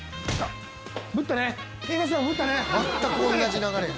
「全く同じ流れや」